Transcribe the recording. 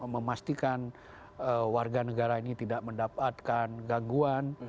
memastikan warga negara ini tidak mendapatkan gangguan